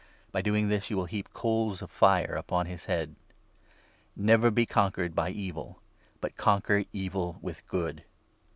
By doing this you will heap coals of fire upon his head.' Never be conquered by evil, but conquer evil with good.